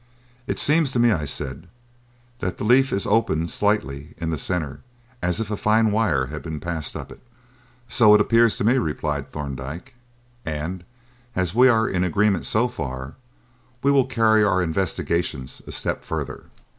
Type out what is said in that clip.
"It seems to me," I said, "that the leaf is opened slightly in the centre, as if a fine wire had been passed up it." "So it appeared to me," replied Thorndyke; "and, as we are in agreement so far, we will carry our investigations a step further."